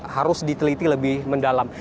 harus diteliti lebih mendalam